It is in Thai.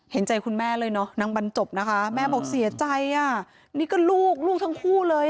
เห็นใจคุณแม่เลยเนอะนางบรรจบนะคะแม่บอกเสียใจอ่ะนี่ก็ลูกลูกทั้งคู่เลย